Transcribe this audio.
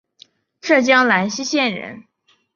浙江兰溪县人。